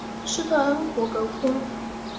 施特恩伯格宫。